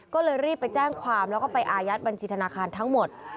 ก็เลยรีบไปแจ้งความแล้วก็ไปอายัดบัญชีธนาคารทั้งหมด